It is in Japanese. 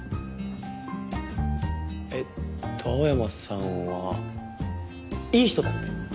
えっと青山さんはいい人だって。